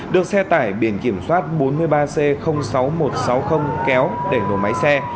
được xe tải biển kiểm soát bốn mươi ba c sáu nghìn một trăm sáu mươi kéo để đổ máy xe